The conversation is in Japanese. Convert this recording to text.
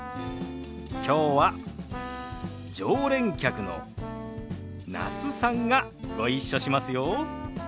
きょうは常連客の那須さんがご一緒しますよ。